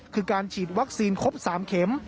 คือการฉีดวัคซีนครบ๓เข็ม